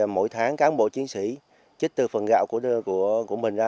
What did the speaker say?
mỗi tháng cán bộ chiến sĩ trích từ phần gạo của mình ra